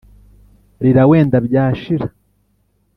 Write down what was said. rira wenda byashira